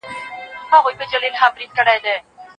ستا په تندي کي کښلي توري پاکوم درسره